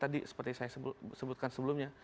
tadi seperti saya sebutkan sebelumnya